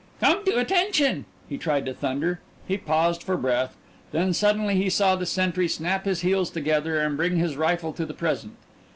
"Come to attention!" he tried to thunder; he paused for breath then suddenly he saw the sentry snap his heels together and bring his rifle to the present.